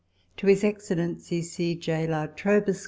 To His Excellency C. J. La Trobe, Esq.